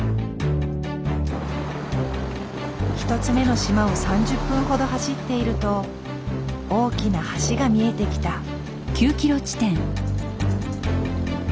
１つ目の島を３０分ほど走っていると大きな橋が見えてきた。